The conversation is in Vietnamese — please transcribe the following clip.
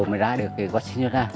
mình ra được quốc sinh soda